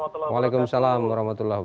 terima kasih assalamualaikum wr wb